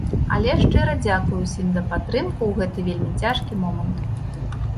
Але шчыра дзякую ўсім за падтрымку ў гэты вельмі цяжкі момант.